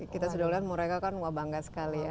kita sudah lihat mereka kan wah bangga sekali ya